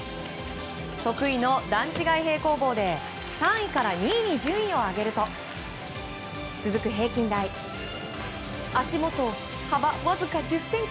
得意の段違い平行棒で３位から２位に順位を上げると続く平均台足元、幅わずか１０ｃｍ。